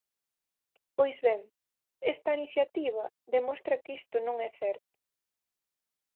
Pois ben, esta iniciativa demostra que isto non é certo.